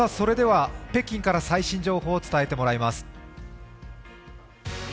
北京から最新情報を伝えてもらいます。